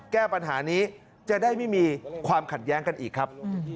แก้ปัญหานี้จะได้ไม่มีความขัดแย้งกันอีกครับ